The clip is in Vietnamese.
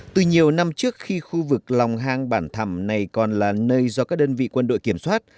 từ nhiều năm trước khi khu vực lòng hang bản thẳm này còn là nơi do các đơn vị quân đội kiểm soát